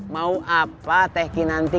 mau apa tehki nanti